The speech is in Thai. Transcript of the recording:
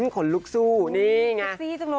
ขนลูกซู่นี่ไง